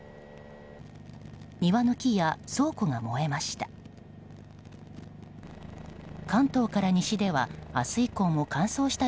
庭の木や倉庫が燃えました。